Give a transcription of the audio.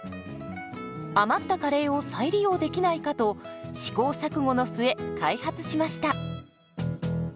余ったカレーを再利用できないかと試行錯誤の末開発しました。